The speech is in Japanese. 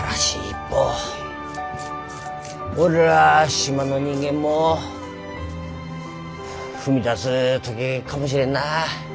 俺ら島の人間も踏み出す時かもしれんなぁ。